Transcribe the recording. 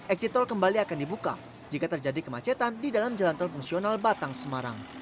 eksitol kembali akan dibuka jika terjadi kemacetan di dalam jalan terfungsional batang semarang